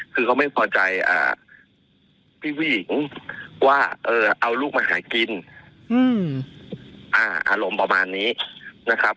คือเขาไม่พอใจพี่ผู้หญิงว่าเอาลูกมาหากินอารมณ์ประมาณนี้นะครับ